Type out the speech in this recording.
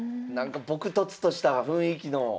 なんか朴とつとした雰囲気の。